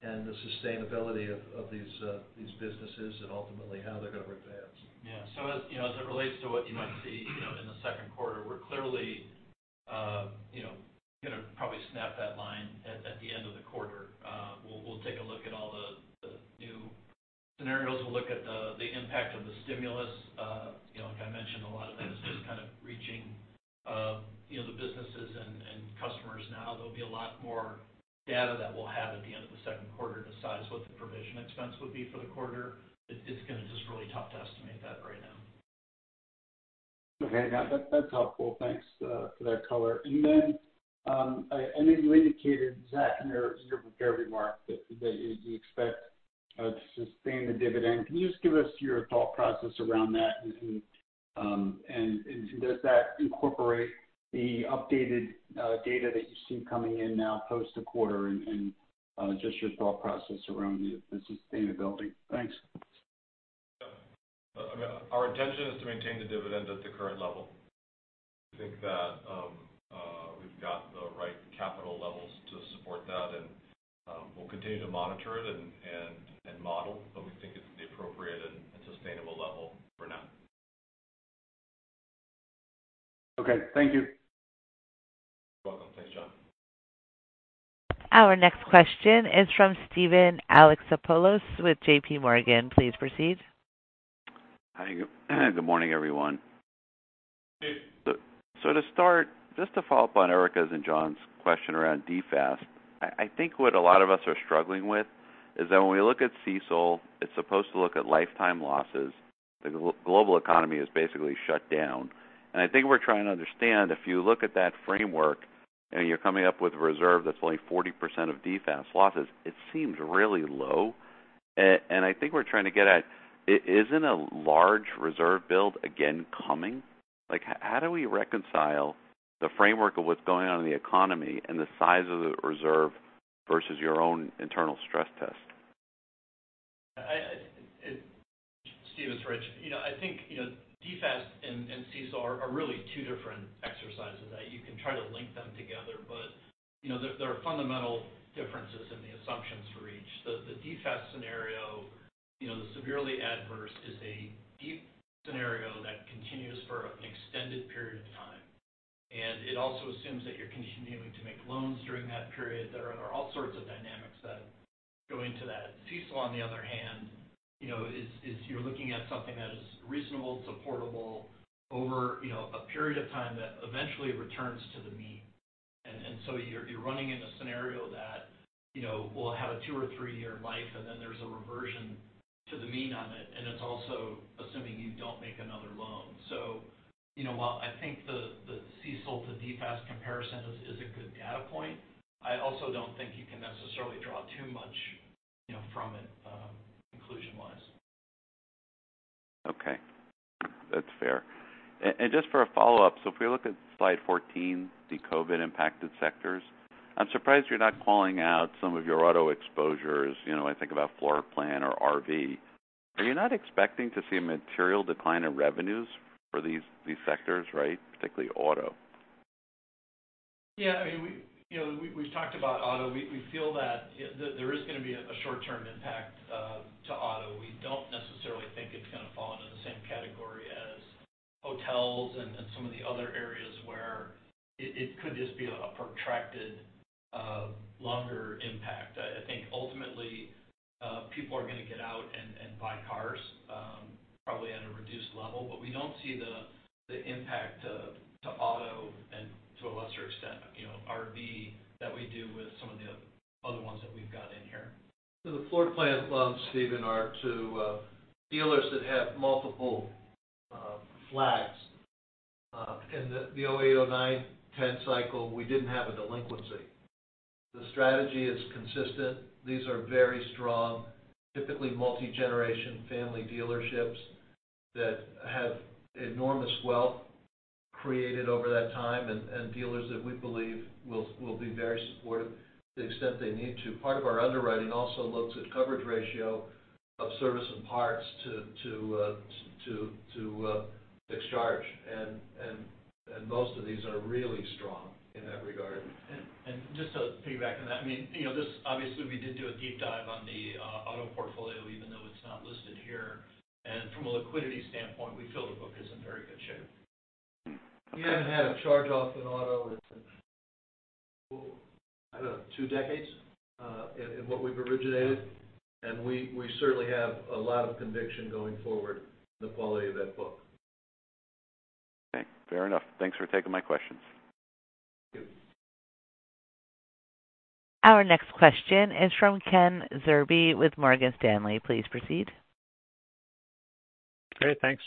and the sustainability of these businesses and ultimately how they're going to advance.
Yeah. As it relates to what you might see in the second quarter, we're clearly going to probably snap that line at the end of the quarter. We'll take a look at all the new scenarios. We'll look at the impact of the stimulus. Like I mentioned, a lot of that is just kind of reaching the businesses and customers now. There'll be a lot more data that we'll have at the end of the second quarter to size what the provision expense would be for the quarter. It's going to just really tough to estimate that right now.
Okay. No, that's helpful. Thanks for that color. I know you indicated, Zach, in your prepared remarks, that you expect to sustain the dividend. Can you just give us your thought process around that and does that incorporate the updated data that you see coming in now post the quarter and just your thought process around the sustainability? Thanks.
Our intention is to maintain the dividend at the current level. I think that we've got the right capital levels to support that, and we'll continue to monitor it and model, but we think it's the appropriate and sustainable level for now.
Okay. Thank you.
You're welcome. Thanks, John.
Our next question is from Steven Alexopoulos with JPMorgan. Please proceed.
Hi. Good morning, everyone.
Steve.
To start, just to follow up on Erika's and John's question around DFAST. I think what a lot of us are struggling with is that when we look at CECL, it's supposed to look at lifetime losses. The global economy is basically shut down. I think we're trying to understand, if you look at that framework and you're coming up with a reserve that's only 40% of DFAST losses, it seems really low. I think we're trying to get at, isn't a large reserve build again coming? Like, how do we reconcile the framework of what's going on in the economy and the size of the reserve versus your own internal stress test?
Steve, it's Rich. I think DFAST and CECL are really two different exercises. You can try to link them together, but there are fundamental differences in the assumptions for each. The DFAST scenario, the severely adverse is a deep scenario that continues for an extended period of time. It also assumes that you're continuing to make loans during that period. There are all sorts of dynamics that go into that. CECL, on the other hand, is you're looking at something that is reasonable, supportable over a period of time that eventually returns to the mean. You're running in a scenario that will have a two or three-year life, and then there's a reversion to the mean on it, and it's also assuming you don't make another loan. While I think the CECL to DFAST comparison is a good data point, I also don't think you can necessarily draw too much from it conclusion-wise.
Okay. That's fair. Just for a follow-up, if we look at slide 14, the COVID-impacted sectors, I'm surprised you're not calling out some of your auto exposures. I think about Floor Plan or RV. Are you not expecting to see a material decline in revenues for these sectors, right? Particularly auto.
Yeah. We've talked about auto. We feel that there is going to be a short-term impact to auto. We don't necessarily think it's going to fall into the same category as hotels and some of the other areas where it could just be a protracted, longer impact. I think ultimately, people are going to get out and buy cars, probably at a reduced level. We don't see the impact to auto and, to a lesser extent, RV that we do with some of the other ones that we've got in here.
The Floor Plan loans, Steven, are to dealers that have multiple flags. In the 2008, 2009, 2010 cycle, we didn't have a delinquency. The strategy is consistent. These are very strong, typically multi-generation family dealerships that have enormous wealth created over that time, and dealers that we believe will be very supportive to the extent they need to. Part of our underwriting also looks at coverage ratio of service and parts to fix charge, and most of these are really strong in that regard.
Just to piggyback on that, obviously we did do a deep dive on the auto portfolio, even though it's not listed here. From a liquidity standpoint, we feel the book is in very good shape.
We haven't had a charge-off in auto since, I don't know, two decades, in what we've originated. We certainly have a lot of conviction going forward in the quality of that book.
Okay. Fair enough. Thanks for taking my questions.
Thank you.
Our next question is from Ken Zerbe with Morgan Stanley. Please proceed.
Great, thanks.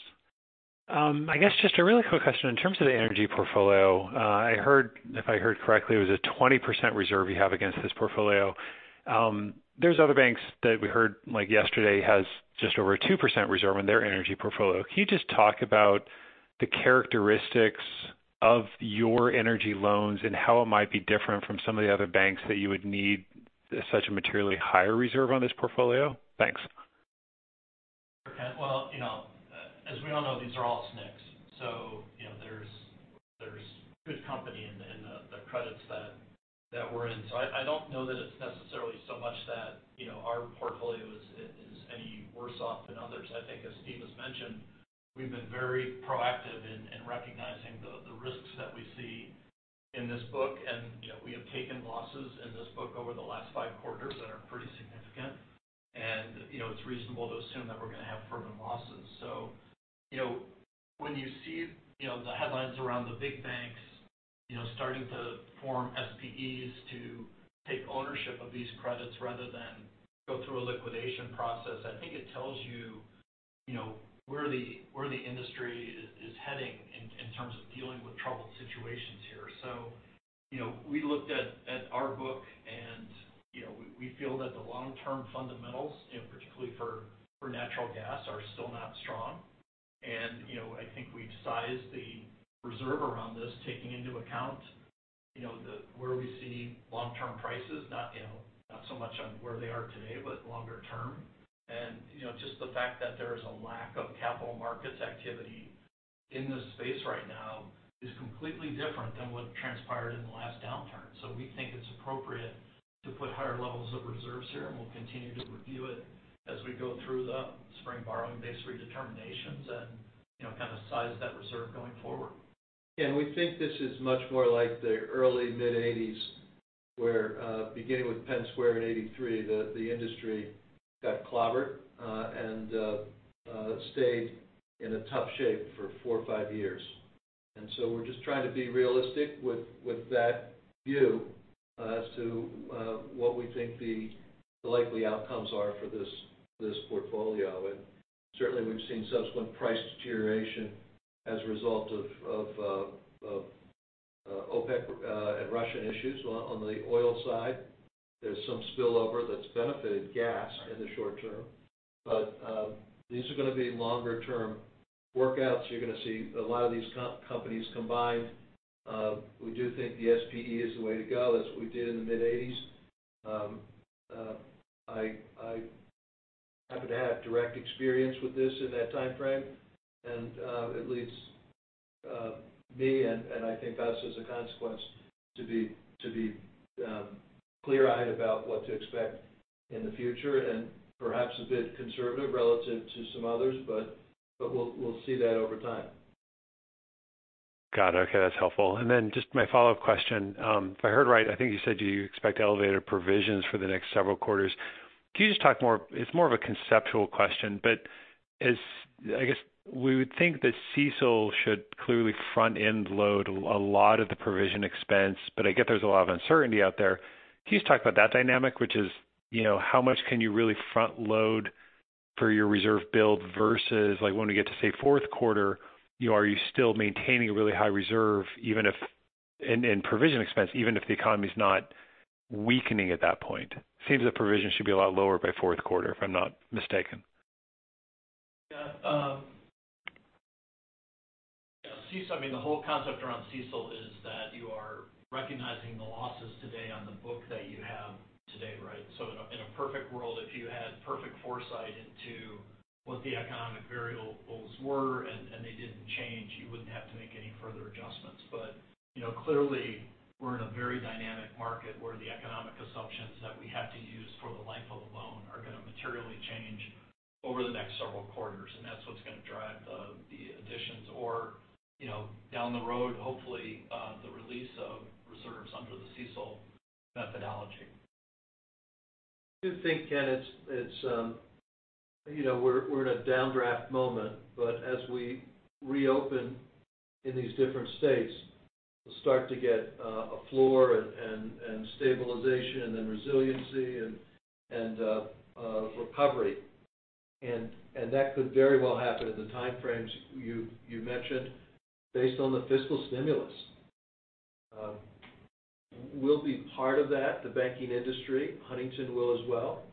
I guess just a really quick question. In terms of the energy portfolio, if I heard correctly, it was a 20% reserve you have against this portfolio. There's other banks that we heard yesterday has just over a 2% reserve on their energy portfolio. Can you just talk about the characteristics of your energy loans and how it might be different from some of the other banks that you would need such a materially higher reserve on this portfolio? Thanks.
Sure, Ken. Well, as we all know, these are all SNCs, so there's good company in the credits that we're in. I don't know that it's necessarily so much that our portfolio is any worse off than others. I think as Steve has mentioned, we've been very proactive in recognizing the risks that we see in this book, and we have taken losses in this book over the last five quarters that are pretty significant. It's reasonable to assume that we're going to have further losses. When you see the headlines around the big banks starting to form SPEs to take ownership of these credits rather than go through a liquidation process, I think it tells you where the industry is heading in terms of dealing with troubled situations here. We looked at our book, and we feel that the long-term fundamentals, particularly for natural gas, are still not strong. I think we've sized the reserve around this, taking into account where we see long-term prices, not so much on where they are today, but longer term. Just the fact that there is a lack of capital markets activity in this space right now is completely different than what transpired in the last downturn. We think it's appropriate to put higher levels of reserves here, and we'll continue to review it as we go through the spring borrowing base redeterminations and kind of size that reserve going forward.
We think this is much more like the early mid-1980s, where beginning with Penn Square in 1983, the industry got clobbered and stayed in a tough shape for four or five years. We're just trying to be realistic with that view as to what we think the likely outcomes are for this portfolio. Certainly, we've seen subsequent price deterioration as a result of OPEC and Russian issues on the oil side. There's some spillover that's benefited gas in the short term. These are going to be longer-term workouts. You're going to see a lot of these companies combined. We do think the SPE is the way to go. That's what we did in the mid-1980s. I happen to have direct experience with this in that timeframe, and it leads me, and I think us as a consequence, to be clear-eyed about what to expect in the future and perhaps a bit conservative relative to some others, but we'll see that over time.
Got it. Okay, that's helpful. Then just my follow-up question. If I heard right, I think you said you expect elevated provisions for the next several quarters. Can you just talk, it's more of a conceptual question, but I guess we would think that CECL should clearly front-end load a lot of the provision expense, but I get there's a lot of uncertainty out there. Can you just talk about that dynamic, which is how much can you really front load for your reserve build versus when we get to, say, fourth quarter, are you still maintaining a really high reserve and provision expense even if the economy's not weakening at that point? Seems the provision should be a lot lower by fourth quarter, if I'm not mistaken.
Yeah. I mean, the whole concept around CECL is that you are recognizing the losses today on the book that you have today, right? In a perfect world, if you had perfect foresight into what the economic variables were and they didn't change, you wouldn't have to make any further adjustments. Clearly, we're in a very dynamic market where the economic assumptions that we have to use for the life of the loan are going to materially change over the next several quarters, and that's what's going to drive the additions or down the road, hopefully, the release of reserves under the CECL methodology.
I do think, Ken, we're in a downdraft moment, but as we reopen in these different states, we'll start to get a floor and stabilization and then resiliency and recovery. That could very well happen in the time frames you mentioned based on the fiscal stimulus. We'll be part of that, the banking industry. Huntington Bancshares will as well.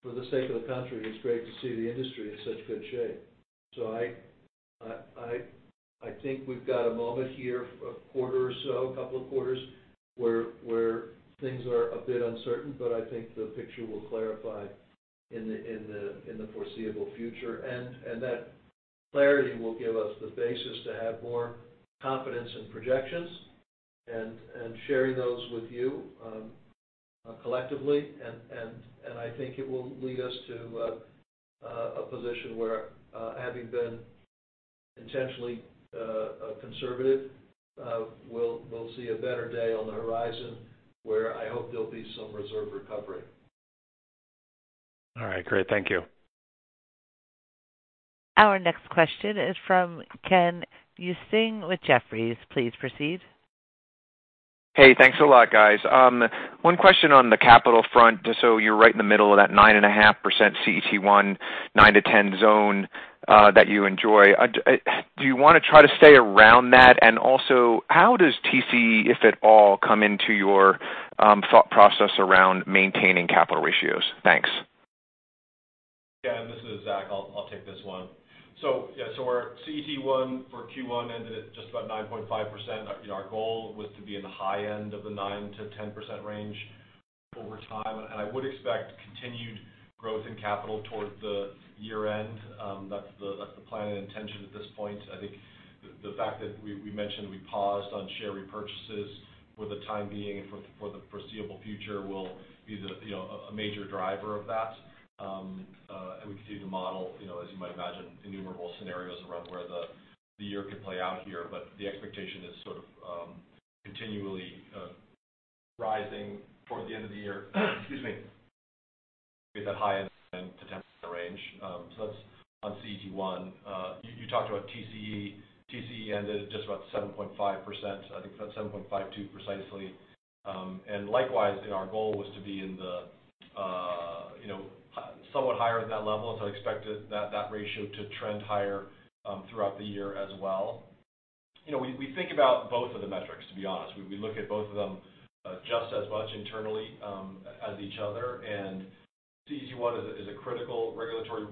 For the sake of the country, it's great to see the industry in such good shape. I think we've got a moment here, a quarter or so, a couple of quarters, where things are a bit uncertain. I think the picture will clarify in the foreseeable future. That clarity will give us the basis to have more confidence in projections and sharing those with you collectively. I think it will lead us to a position where, having been intentionally conservative, we'll see a better day on the horizon where I hope there'll be some reserve recovery.
All right. Great. Thank you.
Our next question is from Ken Usdin with Jefferies. Please proceed.
Hey, thanks a lot, guys. One question on the capital front. You're right in the middle of that 9.5% CET1, 9-10 zone that you enjoy. Do you want to try to stay around that? Also, how does TCE, if at all, come into your thought process around maintaining capital ratios? Thanks.
Ken, this is Zach. I'll take this one. Yes, our CET1 for Q1 ended at just about 9.5%. Our goal was to be in the high end of the 9%-10% range over time. I would expect continued growth in capital towards the year-end. That's the plan and intention at this point. I think the fact that we mentioned we paused on share repurchases for the time being and for the foreseeable future will be a major driver of that. We continue to model, as you might imagine, innumerable scenarios around where the year could play out here. The expectation is continually rising toward the end of the year. Excuse me. Be at that high end to 10% range. That's on CET1. You talked about TCE. TCE ended at just about 7.5%. I think it's about 7.52%, precisely. Likewise, our goal was to be somewhat higher than that level, and so I expect that ratio to trend higher throughout the year as well. We think about both of the metrics, to be honest. We look at both of them just as much internally as each other, and CET1 is a critical regulatory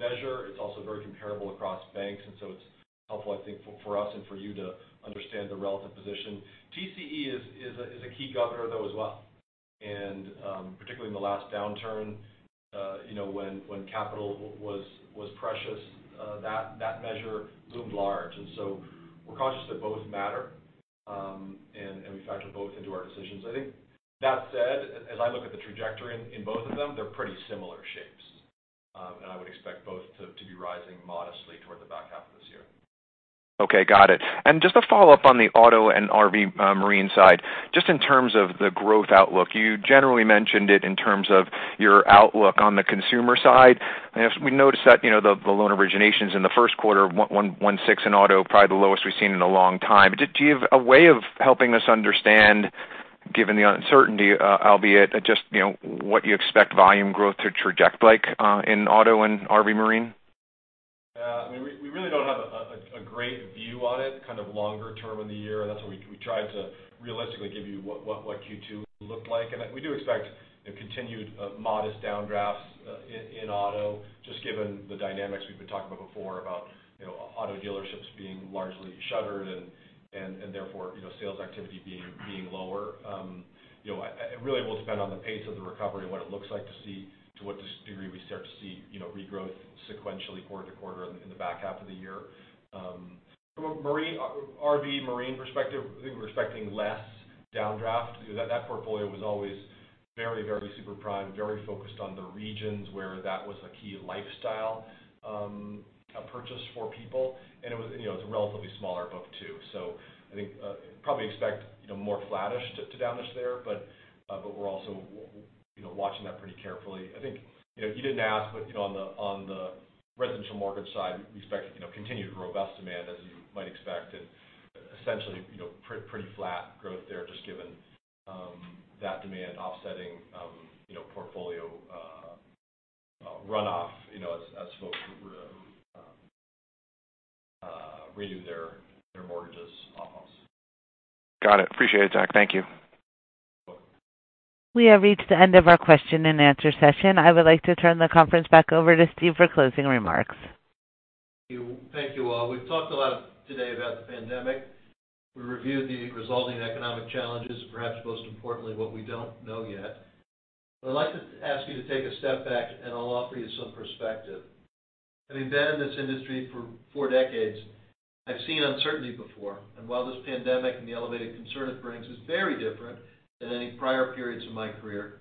measure. It's also very comparable across banks, and so it's helpful, I think, for us and for you to understand the relative position. TCE is a key governor, though, as well. Particularly in the last downturn, when capital was precious, that measure loomed large. We're conscious that both matter, and we factor both into our decisions. I think that said, as I look at the trajectory in both of them, they're pretty similar shapes. I would expect both to be rising modestly toward the back half of this year.
Okay. Got it. Just a follow-up on the auto and RV/Marine side, just in terms of the growth outlook. You generally mentioned it in terms of your outlook on the consumer side. We noticed that the loan originations in the first quarter, one six in auto, probably the lowest we've seen in a long time. Do you have a way of helping us understand, given the uncertainty, albeit at just what you expect volume growth to traject like in auto and RV/Marine?
Yeah. We really don't have a great view on it kind of longer term in the year. That's why we tried to realistically give you what Q2 looked like. We do expect continued modest downdrafts in auto, just given the dynamics we've been talking about before about auto dealerships being largely shuttered and therefore, sales activity being lower. It really will depend on the pace of the recovery and what it looks like to see to what degree we start to see regrowth sequentially quarter to quarter in the back half of the year. From an RV/Marine perspective, I think we're expecting less downdraft. That portfolio was always very super prime, very focused on the regions where that was a key lifestyle purchase for people. It's a relatively smaller book, too. I think probably expect more flattish to downish there, but we're also watching that pretty carefully. I think you didn't ask, but on the residential mortgage side, we expect continued robust demand, as you might expect, and essentially pretty flat growth there just given that demand offsetting portfolio runoff as folks renew their mortgages on homes.
Got it. Appreciate it, Zach. Thank you.
You're welcome.
We have reached the end of our question and answer session. I would like to turn the conference back over to Steve for closing remarks.
Thank you, all. We've talked a lot today about the pandemic. We reviewed the resulting economic challenges, perhaps most importantly, what we don't know yet. I'd like to ask you to take a step back, and I'll offer you some perspective. Having been in this industry for four decades, I've seen uncertainty before. While this pandemic and the elevated concern it brings is very different than any prior periods of my career,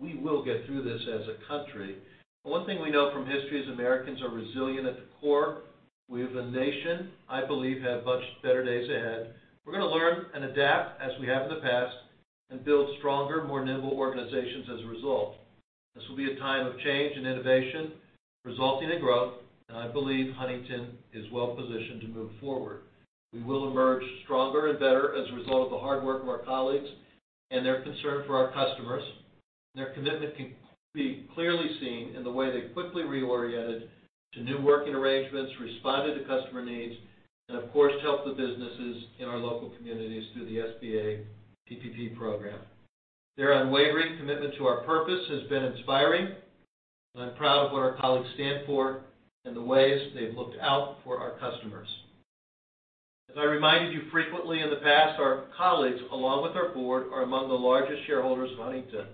we will get through this as a country. One thing we know from history is Americans are resilient at the core. We as a nation, I believe, have much better days ahead. We're going to learn and adapt as we have in the past and build stronger, more nimble organizations as a result. This will be a time of change and innovation resulting in growth, and I believe Huntington Bancshares is well positioned to move forward. We will emerge stronger and better as a result of the hard work of our colleagues and their concern for our customers. Their commitment can be clearly seen in the way they quickly reoriented to new working arrangements, responded to customer needs, and of course, helped the businesses in our local communities through the SBA PPP program. Their unwavering commitment to our purpose has been inspiring, and I'm proud of what our colleagues stand for and the ways they've looked out for our customers. As I reminded you frequently in the past, our colleagues, along with our board, are among the largest shareholders of Huntington,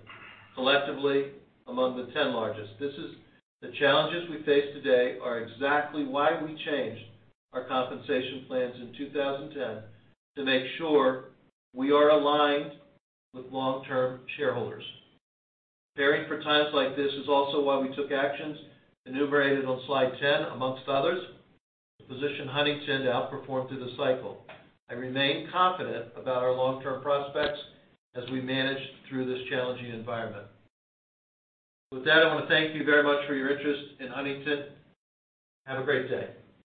collectively among the 10 largest. The challenges we face today are exactly why we changed our compensation plans in 2010 to make sure we are aligned with long-term shareholders. Preparing for times like this is also why we took actions enumerated on slide 10, amongst others, to position Huntington Bancshares to outperform through the cycle. I remain confident about our long-term prospects as we manage through this challenging environment. With that, I want to thank you very much for your interest in Huntington Bancshares. Have a great day.